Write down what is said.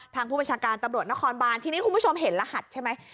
ผู้บัญชาการตำรวจนครบานทีนี้คุณผู้ชมเห็นรหัสใช่ไหม